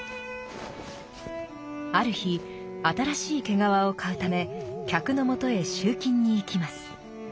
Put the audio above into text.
ある日新しい毛皮を買うため客のもとへ集金に行きます。